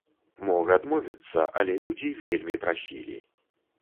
Мог адмовіцца, але людзі вельмі прасілі.